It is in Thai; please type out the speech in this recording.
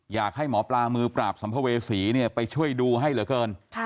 อยากให้หมอปลามือปราบสัมภเวษีไปช่วยดูให้เหลือเกิน